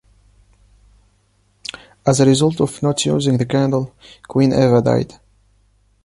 As a result of not using the candle, Queen Eva died.